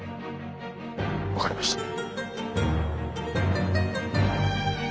分かりました。